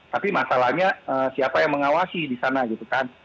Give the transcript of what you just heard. tapi masalahnya siapa yang mengawasi di sana gitu kan